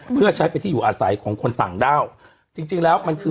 เพื่อใช้เป็นที่อยู่อาศัยของคนต่างด้าวจริงจริงแล้วมันคือ